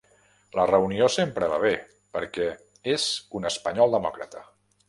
La reunió sempre va bé, perquè és un espanyol demòcrata.